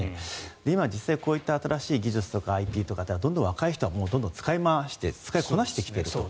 今、実際こういった新しい技術とか新しいＩＴとかってどんどん若い人は使いこなしてきていると。